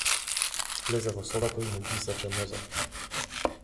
Влезе во собата и му ги исече нозете.